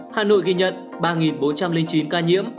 hà nội ghi nhận ba bốn trăm linh chín ca nhiễm